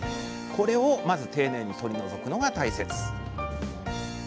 これをまず丁寧に取り除くのが大切。